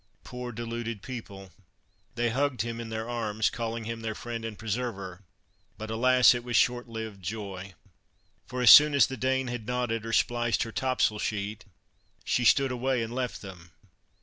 Poor deluded people, they hugged him in their arms, calling him their friend and preserver; but, alas! it was short lived joy, for as soon as the Dane had knotted, or spliced her topsail sheet, she stood away, and left them.